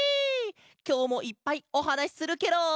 きょうもいっぱいおはなしするケロ！